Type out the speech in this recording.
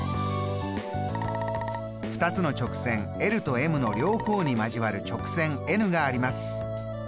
２つの直線ｌとｍの両方に交わる直線ｎがあります。